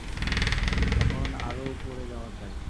এখন আরও উপরে যাওয়া চাই।